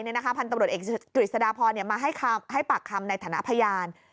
พันธุ์ตำรวจเอกกฤษฎาพรมาให้ปากคำในฐานะพยาน